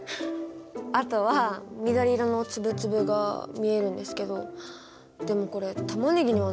あとは緑色の粒々が見えるんですけどでもこれタマネギにはなかった。